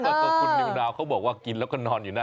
แล้วก็คุณนิวนาวเขาบอกว่ากินแล้วก็นอนอยู่นั่น